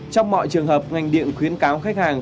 trong mọi trường hợp ngành điện khuyến cáo khách hàng